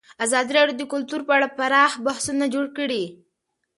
ازادي راډیو د کلتور په اړه پراخ بحثونه جوړ کړي.